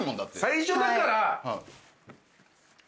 最初だから。